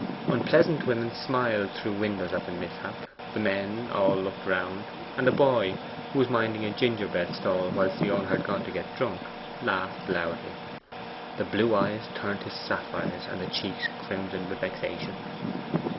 Unpleasant women smiled through windows at the mishap, the men all looked round, and a boy, who was minding a ginger bread stall whilst the owner had gone to get drunk, laughed loudly. The blue eyes turned to sapphires, and the cheeks crimsoned with vexation.